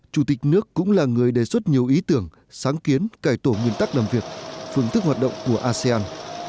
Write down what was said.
chủ tịch nước cũng là người đề xuất nhiều ý tưởng sáng kiến cải tổ nguyên tắc làm việc phương thức hoạt động của asean